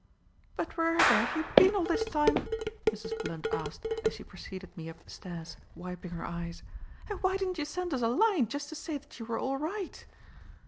"But wherever have you been all this time?" Mrs. Blunt asked, as she preceded me up the stairs wiping her eyes, "and why didn't you send us a line just to say that you were all right?"